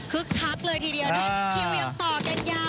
คักเลยทีเดียวถ้าคิวยังต่อกันยาว